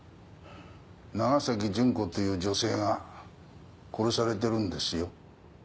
長崎純子という女性が殺されてるんですよ。